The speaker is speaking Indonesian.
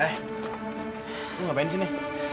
eh lu ngapain disini